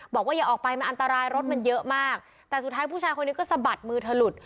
บอกว่าอย่าออกไปมันอันตรายรถมันเยอะมากแต่สุดท้ายผู้ชายคนนี้ก็สะบัดมือเธอหลุด